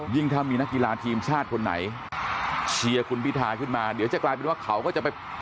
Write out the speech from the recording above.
ถ้ามีนักกีฬาทีมชาติคนไหนเชียร์คุณพิธาขึ้นมาเดี๋ยวจะกลายเป็นว่าเขาก็จะไป